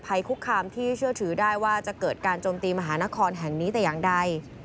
คุกคามที่เชื่อถือได้ว่าจะเกิดการโจมตีมหานครแห่งนี้แต่อย่างใด